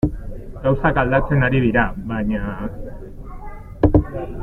Gauzak aldatzen ari dira, baina...